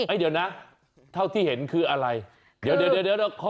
เฮ้ยเดี๋ยวนะเท่าที่เห็นคืออะไรเดี๋ยวเดี๋ยวเดี๋ยวเดี๋ยว